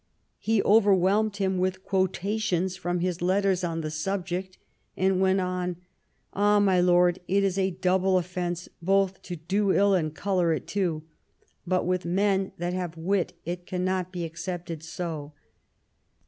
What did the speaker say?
He overwhelmed him with quotations from his letters on the subject, and went on, " Ah, my lord, it is a double offence both to do ill and colour it too; but with men that have wit it cannot be accepted so.